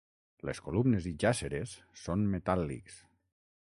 Les columnes i jàsseres són metàl·lics.